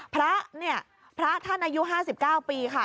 พระเนี่ยพระท่านอายุ๕๙ปีค่ะ